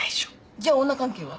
じゃあ女関係は？